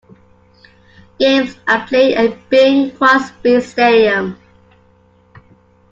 Games are played in Bing Crosby Stadium.